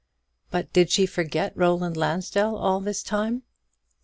But did she forget Roland Lansdell all this time?